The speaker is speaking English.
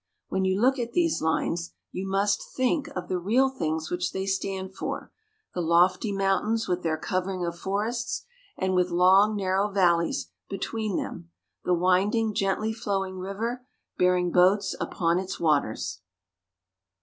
When you look at these lines, you must think of the real things which they stand for the lofty mountains, with their covering of forests, and with long, narrow valleys between them; the winding, gently flowing river, bearing boats upon its waters.